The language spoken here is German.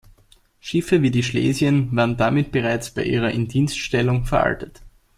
Schiffe wie die "Schlesien" waren damit bereits bei ihrer Indienststellung veraltet.